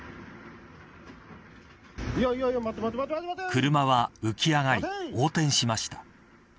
車は浮き上がり横転しました。